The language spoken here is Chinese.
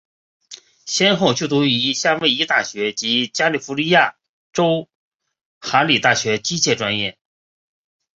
先后就读于夏威夷大学及加利福尼亚州哈里大学机械专业。